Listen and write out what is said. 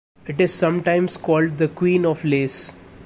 It is sometimes called the Queen of lace.